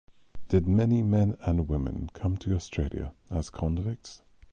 Did many men and women come to Australia as convicts?